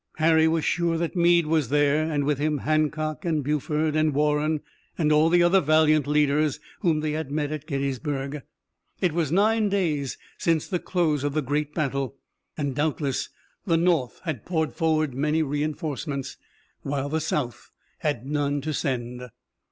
Harry was sure that Meade was there, and with him Hancock and Buford and Warren and all the other valiant leaders whom they had met at Gettysburg. It was nine days since the close of the great battle, and doubtless the North had poured forward many reinforcements, while the South had none to send.